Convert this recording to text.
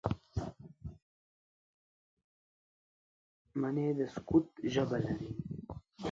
مني د سکوت ژبه لري